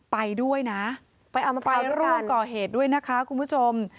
ไปด้วยนะไปร่วมก่อเหตุด้วยนะคะคุณผู้ชม